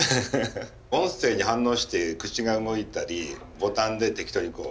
音声に反応して口が動いたりボタンで適当にこう。